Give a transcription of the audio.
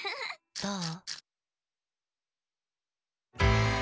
どう？